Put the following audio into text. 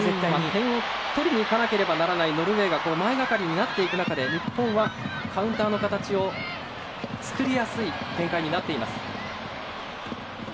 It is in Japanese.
点を取りにいかなければならないノルウェーが前がかりになっていく中で日本はカウンターの形を作りやすい展開になっています。